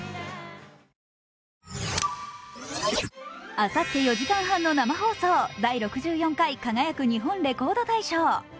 あさって４時間半の生放送「第６４回輝く！日本レコード大賞」。